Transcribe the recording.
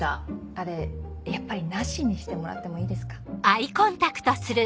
あれやっぱりなしにしてもらってもいいですか？